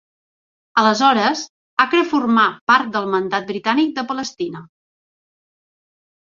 Aleshores, Acre formà part del Mandat Britànic de Palestina.